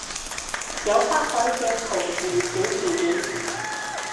有北海嘅曹氏小字典